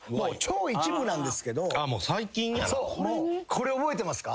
これ覚えてますか？